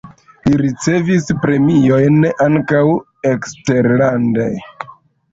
Li ricevis premiojn ankaŭ eksterlande.